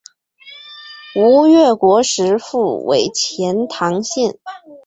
吴越国时复为钱唐县。